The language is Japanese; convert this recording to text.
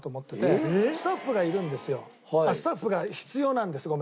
あっスタッフが必要なんですごめんなさい。